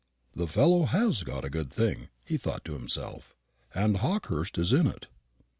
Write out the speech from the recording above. "The fellow has got a good thing," he thought to himself, "and Hawkehurst is in it.